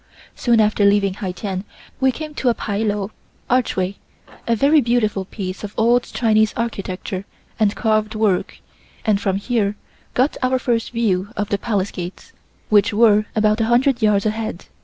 Soon after leaving Hai Tien we came to a pai lou (archway), a very beautiful piece of old Chinese architecture and carved work, and from here got our first view of the Palace gates, which were about 100 yards ahead.